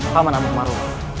paman amu maru